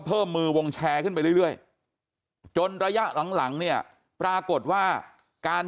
เพิ่มมือวงแชร์ขึ้นไปเรื่อยจนระยะหลังหลังเนี่ยปรากฏว่าการ